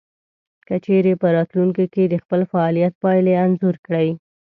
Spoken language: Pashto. که چېرې په راتلونکې کې د خپل فعاليت پايلې انځور کړئ.